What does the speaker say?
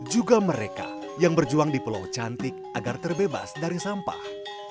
juga mereka yang berjuang di pulau cantik agar terbebas dari sampah